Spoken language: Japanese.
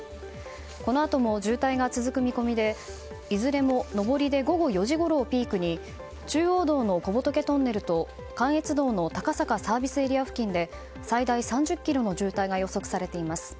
このあとも渋滞が続く見込みでいずれも上りで午後４時ごろをピークに中央道の小仏トンネルと関越道の高坂ＳＡ付近で最大３０ｋｍの渋滞が予測されています。